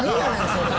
それ。